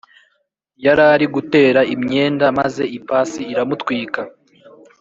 yarari gutera imyenda maze ipasi iramutwika